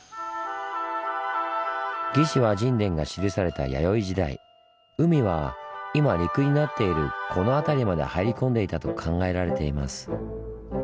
「魏志倭人伝」が記された弥生時代海は今陸になっているこの辺りまで入り込んでいたと考えられています。